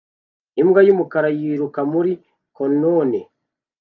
Imbwa yumukara yiruka muri conone